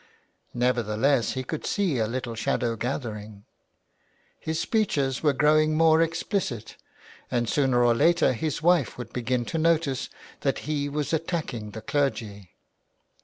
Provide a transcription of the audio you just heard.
Nevertheless he could see a little shadow gathering. His speeches were growing more explicit, and sooner or later his wife would begin to notice that he was attacking the clergy.